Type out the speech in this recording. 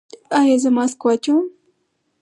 ایا زه ماسک واچوم؟